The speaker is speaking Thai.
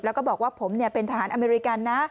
แล้วก็บอกว่าผมเป็นทหารอเมริกันนะ